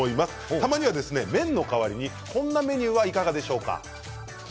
たまには麺の代わりにこんなメニューはいかがでしょうか。